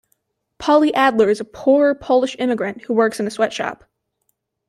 Polly Adler is a poor Polish immigrant who works in a sweatshop.